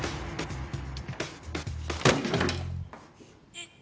えっ？